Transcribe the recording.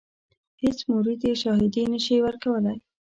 هیڅ مرید یې شاهدي نه شي ورکولای.